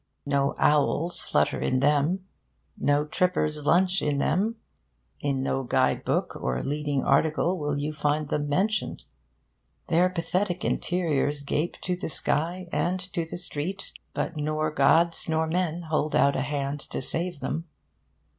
No owls flutter in them. No trippers lunch in them. In no guide book or leading article will you find them mentioned. Their pathetic interiors gape to the sky and to the street, but nor gods nor men hold out a hand to save them.